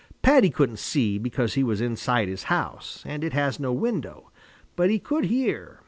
Paddy couldn't see because he was inside his house, and it has no window, but he could hear.